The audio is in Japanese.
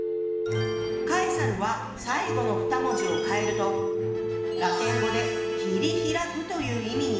カエサルは最後の２文字を変えるとラテン語で「切り開く」という意味に。